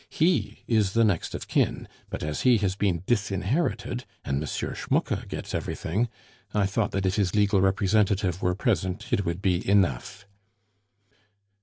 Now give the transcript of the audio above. He is the next of kin; but as he has been disinherited, and M. Schmucke gets everything, I thought that if his legal representative were present it would be enough."